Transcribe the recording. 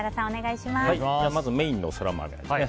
まずメインのソラマメですね。